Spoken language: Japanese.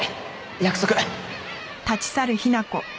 約束。